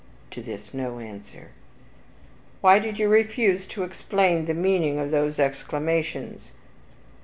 To this no answer. "Why do you refuse to explain the meaning of those exclamations?"